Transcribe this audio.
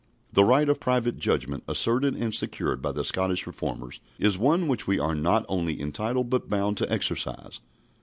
The right of private judgment, asserted and secured by the Scottish Reformers, is one which we are not only entitled but bound to exercise.